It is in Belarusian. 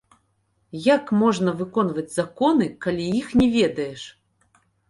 Як можна выконваць законы, калі іх не ведаеш?